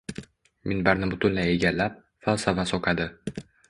minbarni butunlay egallab, falsafa so‘qadi